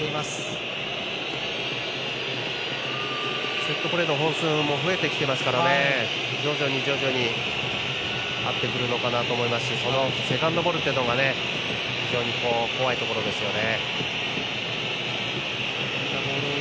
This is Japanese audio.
セットプレーの本数も増えてきていますから徐々に徐々に合ってくるのかなと思いますしそのセカンドボールっていうのが非常に怖いところですよね。